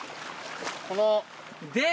この。